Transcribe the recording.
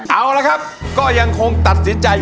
เอาละครับก็ยังคงตัดสินใจ